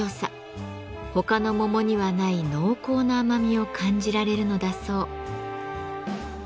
他の桃にはない濃厚な甘みを感じられるのだそう。